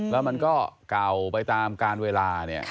แล้วมันก็เก่าไปตามการเวลาเนี่ย